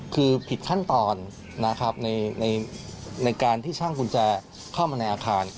คือผิดขั้นตอนนะครับในการที่ช่างกุญแจเข้ามาในอาคาร